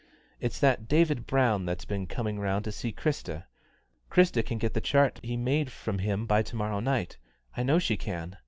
It's that David Brown that's been coming round to see Christa. Christa can get the chart he made from him by to morrow night I know she can.